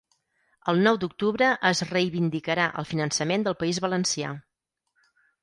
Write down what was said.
El Nou d'Octubre es reivindicarà el finançament del País Valencià